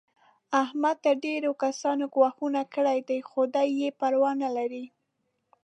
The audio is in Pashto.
احمد ته ډېرو کسانو ګواښونه کړي دي. خو دی یې پروا نه لري.